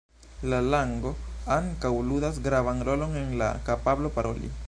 La lango ankaŭ ludas gravan rolon en la kapablo paroli.